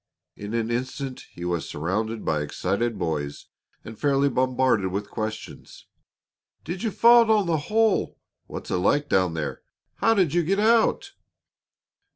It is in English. In an instant he was surrounded by the excited boys and fairly bombarded with questions: "Did you fall down the hole?" "What's it like down there?" "How did you get out?"